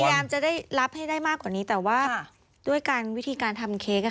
พยายามจะได้รับให้ได้มากกว่านี้แต่ว่าด้วยการวิธีการทำเค้ก